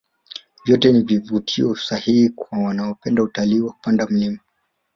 vyote ni vivutio sahihi kwa wanaopenda utalii wa kupanda milima